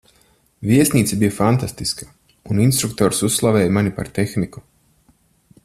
Viesnīca bija fantastiska, un instruktors uzslavēja mani par tehniku.